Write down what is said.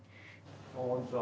こんにちは。